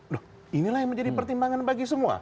loh inilah yang menjadi pertimbangan bagi semua